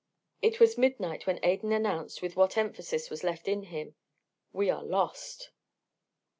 It was midnight when Adan announced with what emphasis was left in him, "We are lost."